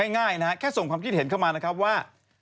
ง่ายนะฮะแค่ส่งความคิดเห็นเข้ามานะครับว่า